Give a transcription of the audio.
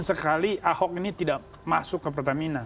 sekali ahok ini tidak masuk ke pertamina